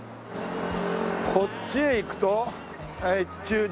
こっちへ行くと越中島。